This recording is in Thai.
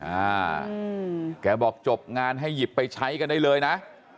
อ่าแกบอกจบงานให้หยิบไปใช้กันได้เลยนะ